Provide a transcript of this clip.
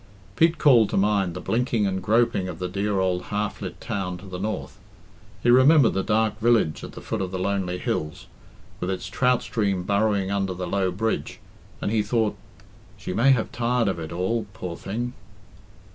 Pete called to mind the blinking and groping of the dear old half lit town to the north; he remembered the dark village at the foot of the lonely hills, with its trout stream burrowing under the low bridge, and he thought, "She may have tired of it all, poor thing!"